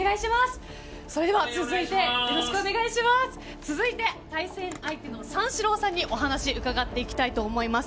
それでは続いて対戦相手の三四郎さんにお話伺っていきたいと思います。